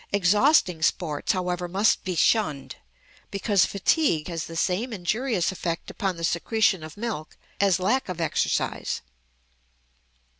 Exhausting sports, however, must be shunned, because fatigue has the same injurious effect upon the secretion of milk as lack of exercise.